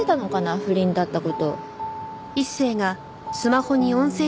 不倫だった事。